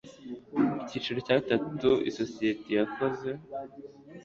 icyiciro cya gatatu isosiyete yakoze